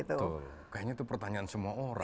betul kayaknya itu pertanyaan semua orang